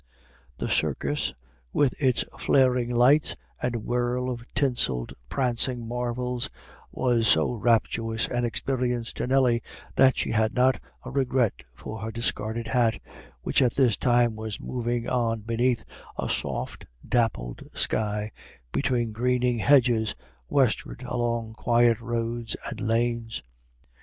The circus, with its flaring lights and whirl of tinselled prancing marvels, was so rapturous an experience to Nelly that she had not a regret for her discarded hat, which at this time was moving on beneath a soft dappled sky, between greening hedges, westward along quiet roads and lanes.